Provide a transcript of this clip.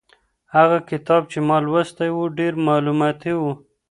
هغه کتاب چې ما لوستلی و ډېر مالوماتي و.